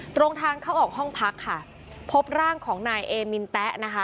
ตรงทางเข้าออกห้องพักค่ะพบร่างของนายเอมินแต๊ะนะคะ